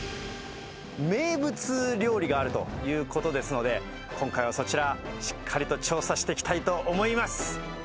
名物料理があるということですので、今回はそちら、しっかりと調査してきたいと思います。